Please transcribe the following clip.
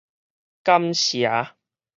感邪